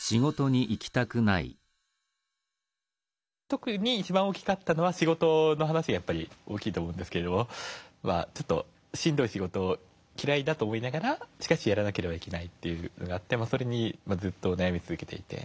特に一番大きかったのは仕事の話が大きいと思うんですがしんどい仕事を嫌いだと思いながらしかしやらなければいけないというのがあってそれにずっと悩み続けていて。